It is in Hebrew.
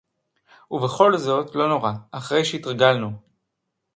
וּבְכָל זֹאת לֹא נוֹרָא, אַחֲרֵי שֶהִתְרַגַלְנוּ.